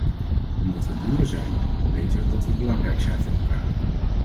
Omdat we buren zijn, weten we dat we belangrijk zijn voor elkaar.